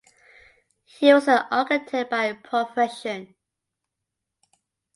He was an architect by profession.